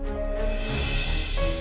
ya sama sama pak